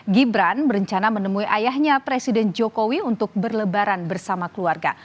gibran berencana menemui ayahnya presiden jokowi untuk berlebaran bersama keluarga